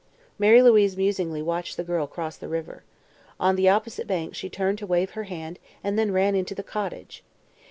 Mary Louise musingly watched the girl cross the river. On the opposite bank she turned to wave her hand and then ran into the cottage.